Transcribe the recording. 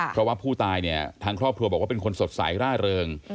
เพราะว่าผู้ตายเนี่ยทางครอบครัวบอกว่าเป็นคนสดใสร่าเริง